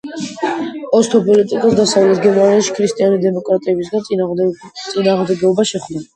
ოსთპოლიტიკას დასავლეთ გერმანიაში ქრისტიან-დემოკრატებისგან წინააღმდეგობა შეხვდა.